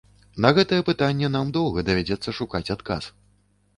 На гэтае пытанне нам доўга давядзецца шукаць адказ.